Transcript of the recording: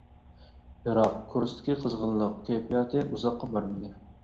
بىراق كۇرستىكى قىزغىنلىق كەيپىياتى ئۇزاققا بارمىدى.